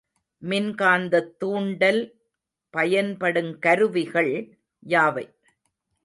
மின்காந்தத் தூண்டல் பயன்படுங் கருவிகள் யாவை?